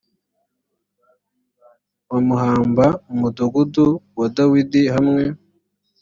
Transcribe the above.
bamuhamba mu mudugudu wa dawidi hamwe